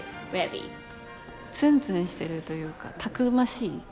ツンツンしてるというかたくましい。